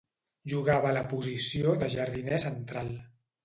Jugava a la posició de jardiner central.